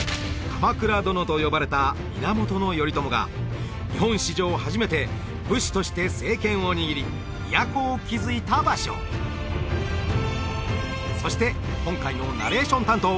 鎌倉殿と呼ばれた源頼朝が日本史上初めて武士として政権を握り都を築いた場所そして今回のナレーション担当